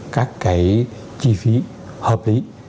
các cái chi phí hợp lý